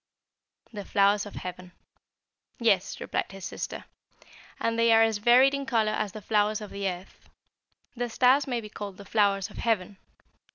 THE FLOWERS OF HEAVEN. "Yes," replied his sister, "and they are as varied in color as the flowers of the earth. The stars may be called 'The flowers of heaven.'